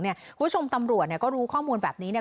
คุณผู้ชมตำรวจก็รู้ข้อมูลแบบนี้